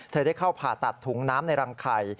ได้เข้าผ่าตัดถุงน้ำในรังไข่